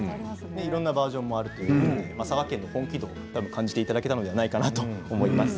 いろんなバージョンがあるということで佐賀県の本気度を多分、感じていただけたのではないかなと思います。